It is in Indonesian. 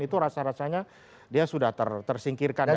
itu rasa rasanya dia sudah tersingkirkan